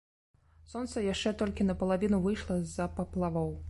Сонца яшчэ толькі напалавіну выйшла з-за паплавоў.